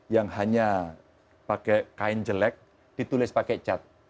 yang hanya pakai kain jelek ditulis pakai cat